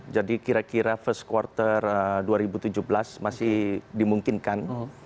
jadi kira kira first quarter dua ribu tujuh belas masih dimungkinkan